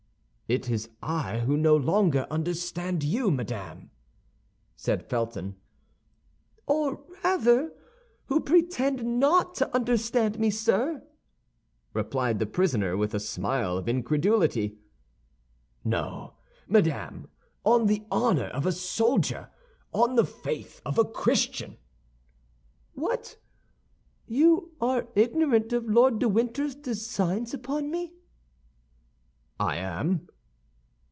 "It is I who no longer understand you, madame," said Felton. "Or, rather, who pretend not to understand me, sir!" replied the prisoner, with a smile of incredulity. "No, madame, on the honor of a soldier, on the faith of a Christian." "What, you are ignorant of Lord de Winter's designs upon me?" "I am."